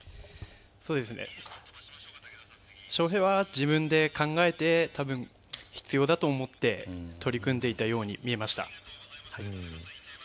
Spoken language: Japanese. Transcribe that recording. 翔平は自分で考えて多分必要だと思って取り組んでいたように見えました。